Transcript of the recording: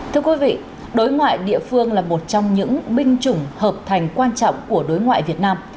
thưa quý vị đối ngoại địa phương là một trong những binh chủng hợp thành quan trọng của đối ngoại việt nam